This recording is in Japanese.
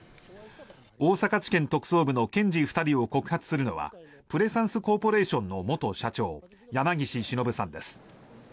大阪地検特捜部の検事２人を告発するのはプレサンスコーポレーションの元社長、山岸忍さんです。